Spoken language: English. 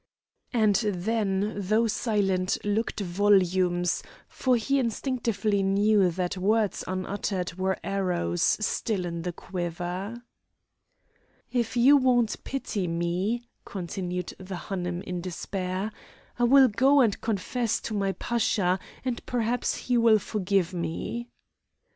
And then, though silent, looked volumes, for he instinctively knew that words unuttered were arrows still in the quiver. "If you won't pity me," continued the Hanoum, in despair, "I will go and confess to my Pasha, and perhaps he will forgive me."